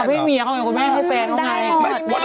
ให้เมียเขาไงคุณแม่ให้แฟนเขาไง